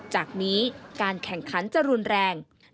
จากนี้การแข่งขันจะรุนแรง